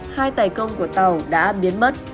hai tài công của tàu đã biến mất